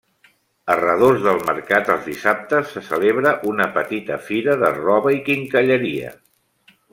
A redós del mercat els dissabtes se celebra una petita fira de roba i quincalleria.